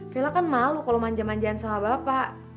vela kan malu kalau manja manjain sama bapak